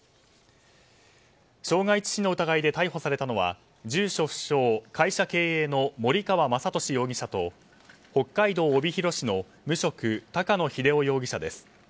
傷害致死の疑いで逮捕されたのは住所不詳、会社経営の守川昌利容疑者と北海道帯広市の無職高野秀雄容疑者です。